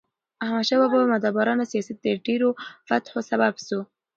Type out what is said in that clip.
احمدشاه بابا مدبرانه سیاست د ډیرو فتحو سبب سو.